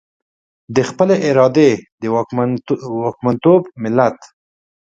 د خپلې ارادې د واکمنتوب ملت.